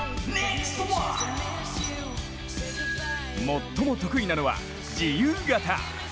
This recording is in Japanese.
最も得意なのは自由形。